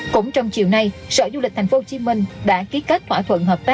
cũng trong chiều nay sở du lịch tp hcm đã ký kết thỏa thuận hợp tác